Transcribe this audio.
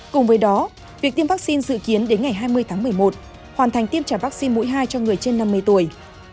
cùng với đó việc tiêm vaccine dự kiến đến ngày hai mươi tháng một mươi một hoàn thành tiêm trả vaccine mũi hai cho người trên năm mươi tuổi